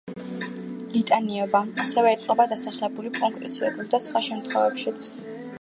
ლიტანიობა ასევე ეწყობა დასახლებული პუნქტის ირგვლივ და სხვა შემთხვევებშიც.